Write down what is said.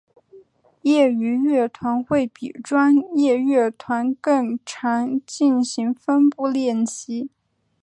业余乐团会比专业乐团更常进行分部练习。